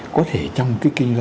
có thể trong cái kinh doanh